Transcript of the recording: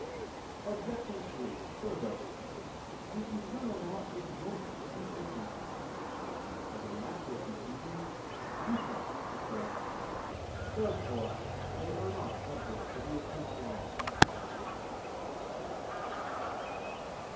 Obj. 3: Further, the eternal law is most efficient. But in natural contingents defects occur. Therefore they are not subject to the eternal law.